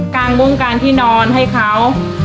กางมุ่งกางที่นอนให้เขา